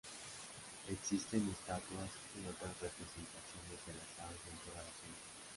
Existen estatuas y otras representaciones de las aves en toda la ciudad.